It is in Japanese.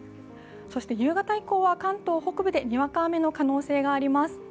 そして夕方以降は関東北部でにわか雨の可能性があります。